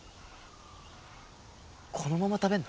このまま食べんの？